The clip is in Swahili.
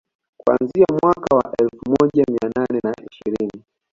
Kuanzia mwaka wa elfu moja mia nane na ishirini